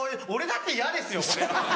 俺だって嫌ですよこれは。